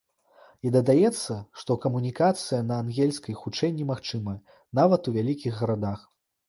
І дадаецца, што камунікацыя на ангельскай хутчэй немагчымая, нават у вялікіх гарадах.